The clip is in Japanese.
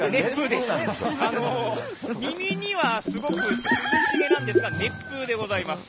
耳にはすごく涼しげなんですが、熱風でございます。